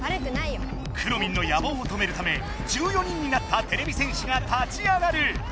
くろミンの野ぼうを止めるため１４人になったてれび戦士が立ち上がる！